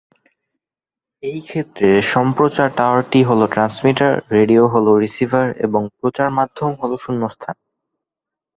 এই ক্ষেত্রে, সম্প্রচার টাওয়ারটি হলো ট্রান্সমিটার, রেডিও হলো রিসিভার এবং প্রচার মাধ্যম হলো শূন্যস্থান।